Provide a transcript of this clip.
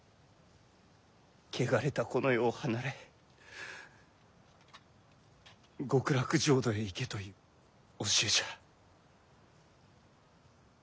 汚れたこの世を離れ極楽浄土へ行けという教えじゃ。